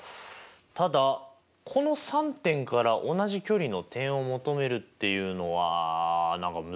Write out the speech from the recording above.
ただこの３点から同じ距離の点を求めるっていうのは何か難しそうですね。